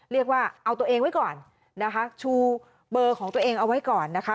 เอาตัวเองไว้ก่อนชูเบอร์ของตัวเองเอาไว้ก่อนนะคะ